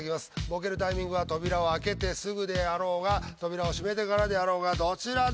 ボケるタイミングは扉を開けてすぐであろうが扉を閉めてからであろうがどちらでも結構です。